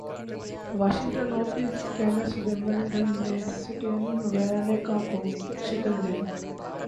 Washington open ٹینسڈونلڈینگ نے Stan Wawrinka کو شکست دیدی